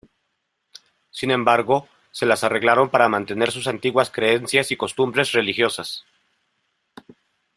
Sin embargo, se las arreglaron para mantener sus antiguas creencias y costumbres religiosas.